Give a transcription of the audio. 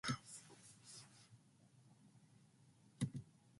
The first meeting was held in New York City.